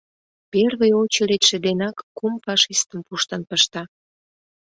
Первый очередьше денак кум фашистым пуштын пышта.